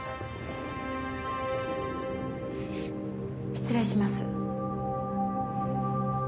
失礼します。